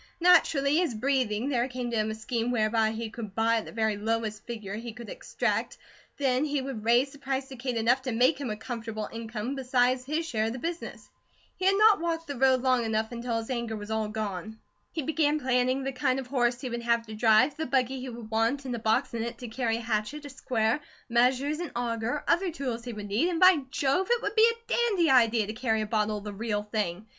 Naturally as breathing, there came to him a scheme whereby he could buy at the very lowest figure he could extract; then he would raise the price to Kate enough to make him a comfortable income besides his share of the business. He had not walked the road long until his anger was all gone. He began planning the kind of horse he would have to drive, the buggy he would want, and a box in it to carry a hatchet, a square, measures, an auger, other tools he would need, and by Jove! it would be a dandy idea to carry a bottle of the real thing.